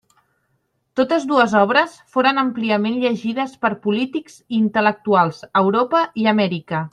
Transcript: Totes dues obres foren àmpliament llegides per polítics i intel·lectuals a Europa i Amèrica.